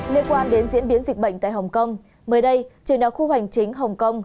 liên quan đến diễn biến dịch bệnh tại hồng kông mới đây trường đạo khu hành chính hồng kông